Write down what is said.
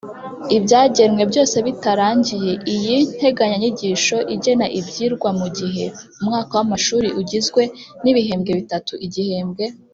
ibyagenwe byose bitarangiye, iyi nteganyanyigisho igena ibyigwa mu gihe. Umwaka w’amashuri ugizwe n’ibihembwe bitatu. Igihembwe